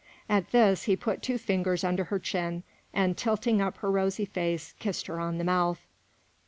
At this, he put two fingers under her chin, and, tilting up her rosy face, kissed her on the mouth.